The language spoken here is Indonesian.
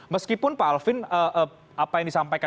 meskipun pak alvin apa yang disampaikan